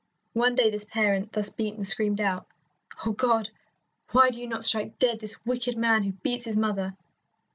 One day this parent, thus beaten, screamed out, "Oh, God, why do you not strike dead this wicked man who beats his mother?"